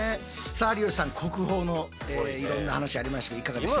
さあ有吉さん国宝のいろんな話ありましたけどいかがでしたか？